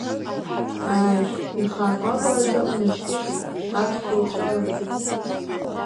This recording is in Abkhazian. Ааи, ихаакәакәараӡа унацәкьыс адхуҵәалап…